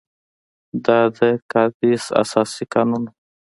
دا د کادیس اساسي قانون وو.